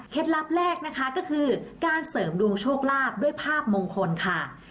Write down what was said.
ลับแรกนะคะก็คือการเสริมดวงโชคลาภด้วยภาพมงคลค่ะ